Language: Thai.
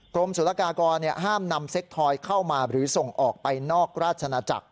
กรมศุลกากรห้ามนำเซ็กทอยเข้ามาหรือส่งออกไปนอกราชนาจักร